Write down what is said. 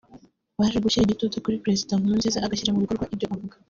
baje gushyira igitutu kuri Perezida Nkurunziza agashyira mu bikorwa ibyo avuga